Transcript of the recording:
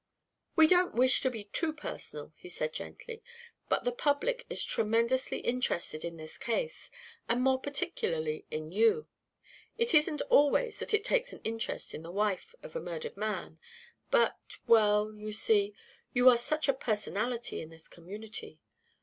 "We don't wish to be too personal," he said gently, "but the public is tremendously interested in this case, and more particularly in you. It isn't always that it takes an interest in the wife of a murdered man but well, you see, you are such a personality in this community.